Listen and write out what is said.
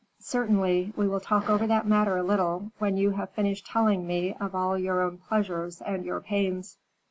"Certainly. We will talk over that matter a little, when you have finished telling me of all your own pleasures and your pains."